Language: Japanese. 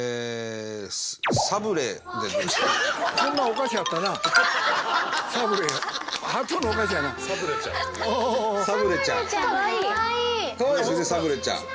サブレちゃん。